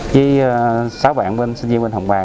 với sáu bạn sinh viên bên hồng bà